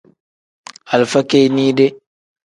Alifa kinide.